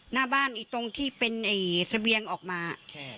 หน้าบ้านอีกตรงที่เป็นเสบียงออกมา